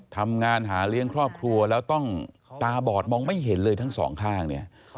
ทำงานหาเลี้ยงครอบครัวแล้วต้องตาบอดมองไม่เห็นเลยทั้งสองข้างเนี่ย